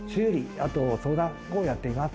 あと相談をやっています。